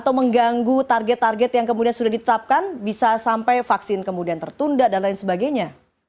atau mengganggu target target yang kemudian sudah ditetapkan bisa sampai vaksin kemudian tertunda dan lain sebagainya